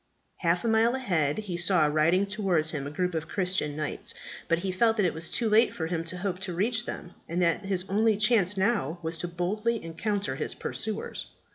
Half a mile ahead he saw riding towards him a group of Christian knights; but he felt that it was too late for him to hope to reach them, and that his only chance now was to boldly encounter his pursuers.